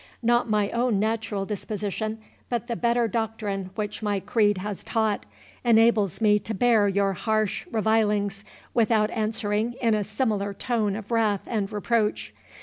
Not my own natural disposition, but the better doctrine which my creed has taught, enables me to bear your harsh revilings without answering in a similar tone of wrath and reproach.